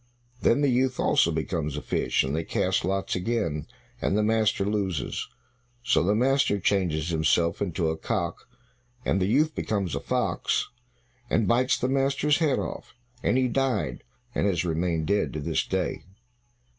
Then the youth also becomes a fish, and they cast lots again, and the master loses. So the master changes himself into a cock, and the youth becomes a fox, and bites the master's head off, and he died and has remained dead to this day.